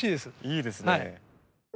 いいですね。